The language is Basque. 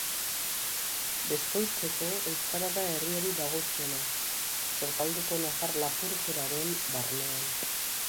Beskoitzeko euskara da herriari dagokiona, Sortaldeko nafar-lapurteraren barnean.